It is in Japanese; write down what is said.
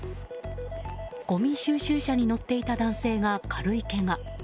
ごみ収集車に乗っていた男性が軽いけが。